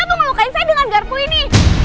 dia mau ngelukain saya dengan garpu ini